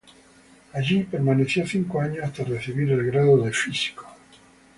Allí permaneció cinco años hasta recibir el grado de físico.